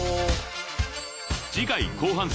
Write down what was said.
［次回後半戦］